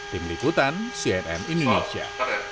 tim liputan cnn indonesia